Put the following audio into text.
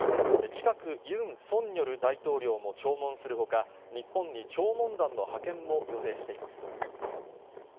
近く、ユン・ソンニョル大統領も弔問するほか、日本に弔問団の派遣も予定しています。